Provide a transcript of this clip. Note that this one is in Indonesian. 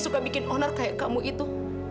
suka bikin onar kayak kamu itu